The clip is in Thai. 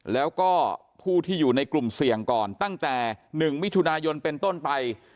แล้วก็ผู้ที่อยู่ในกลุ่มเสี่ยงก่อนตั้งแต่๑มิถุนายนเป็นต้นไป